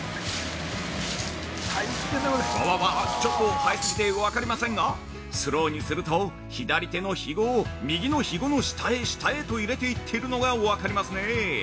◆ちょっと早すぎて分かりませんがスローにすると左手のひごを右のひごの下へ下へと入れていってるのが分かりますね。